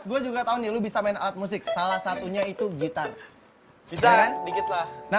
gue juga tahu nih lu bisa main alat musik salah satunya itu gitar bisa dikitlah nah